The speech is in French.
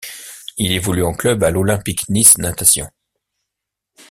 Il évolue en club à l'Olympic Nice Natation.